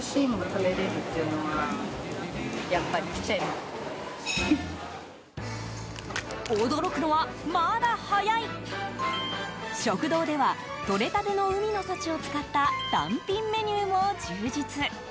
食堂ではとれたての海の幸を使った単品メニューも充実。